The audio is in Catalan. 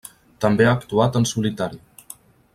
També ha actuat en solitari.